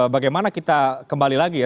bagaimana kita kembali lagi ya